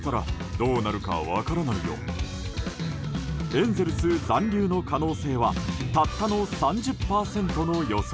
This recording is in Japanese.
エンゼルス残留の可能性はたったの３０％の予想。